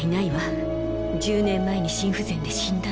１０年前に心不全で死んだの。